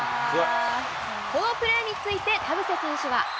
このプレーについて田臥選手は。